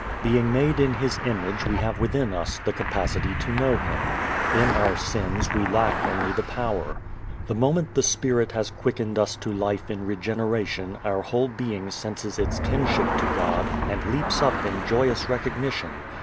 Being made in His image we have within us the capacity to know Him. In our sins we lack only the power. The moment the Spirit has quickened us to life in regeneration our whole being senses its kinship to God and leaps up in joyous recognition.